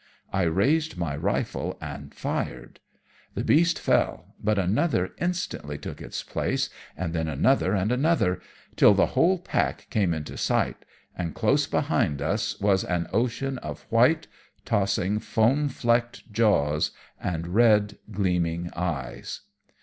I raised my rifle and fired. The beast fell, but another instantly took its place, and then another and another, till the whole pack came into sight, and close behind us was an ocean of white, tossing, foam flecked jaws and red gleaming eyes.